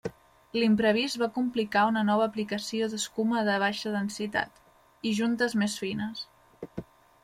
L'imprevist va complicar una nova aplicació d'escuma de baixa densitat, i juntes més fines.